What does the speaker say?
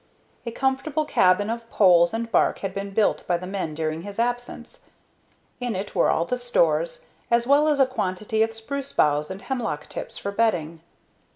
A comfortable cabin of poles and bark had been built by the men during his absence. In it were all the stores, as well as a quantity of spruce boughs and hemlock tips for bedding.